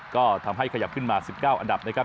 ก็ทำให้ขยับขึ้นมา๑๙อันดับนะครับ